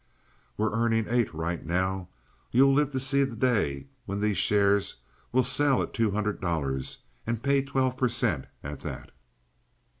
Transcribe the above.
"We're earning eight right now. You'll live to see the day when these shares will sell at two hundred dollars and pay twelve per cent. at that."